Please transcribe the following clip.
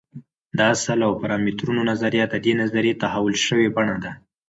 د اصل او پارامترونو نظریه د دې نظریې تحول شوې بڼه ده.